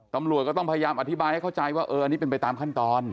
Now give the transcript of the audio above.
ตำรวจก็ต้องพยายามอธิบายให้เข้าใจว่าเอออันนี้เป็นไปตามขั้นตอน